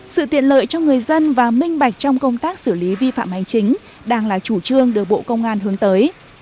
sự tiện lợi cho người dân và minh bạch trong công tác xử lý vi phạm hành chính đang là chủ trương được bộ công an hướng tới